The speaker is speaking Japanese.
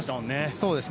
そうですね。